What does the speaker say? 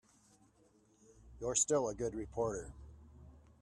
You're still a good reporter.